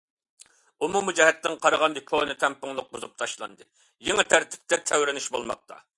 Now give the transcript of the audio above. ئومۇمىي جەھەتتىن قارىغاندا، كونا تەڭپۇڭلۇق بۇزۇپ تاشلاندى، يېڭى تەرتىپتە تەۋرىنىش بولماقتا.